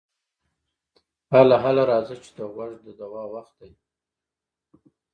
اله اله راځه چې د غوږ د دوا وخت دی.